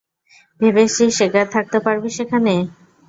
ভেবেছিস একা থাকতে পারবি সেখানে?